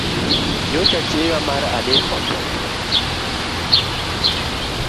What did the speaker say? Nyocha chiega mar adek otho